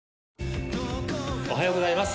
おはようございます